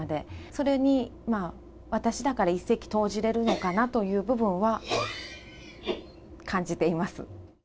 それに私だから一石投じれるのかなという部分は感じています。